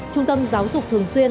trung tâm giáo dục thường xuyên